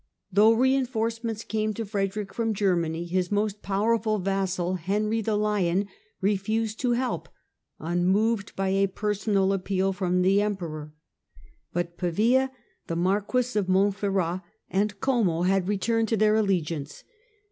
Though reinforcements came to Frederick from Germany, his most powerful vassal, Henry the Lion, refused his help, unmoved by a personal appeal from the Emperor. But Pavia, the Marquis of Montferrat and Como had returned to their allegiance.